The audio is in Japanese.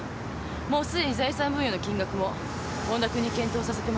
もう既に財産分与の金額も本多君に検討させてます。